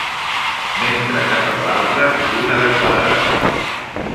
Mentre que per l’altra, una de quadrada.